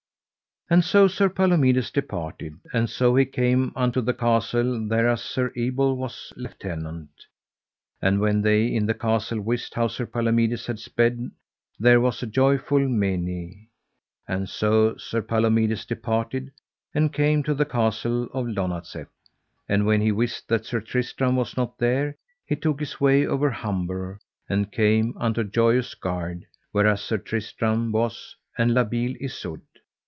And so Sir Palomides departed, and so he came unto the castle thereas Sir Ebel was lieutenant. And when they in the castle wist how Sir Palomides had sped, there was a joyful meiny; and so Sir Palomides departed, and came to the castle of Lonazep. And when he wist that Sir Tristram was not there he took his way over Humber, and came unto Joyous Gard, whereas Sir Tristram was and La Beale Isoud.